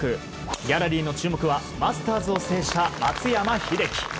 ギャラリーの注目はマスターズを制した松山英樹。